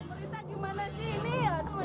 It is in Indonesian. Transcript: berita gimana sih ini